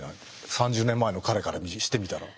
３０年前の彼からしてみたら。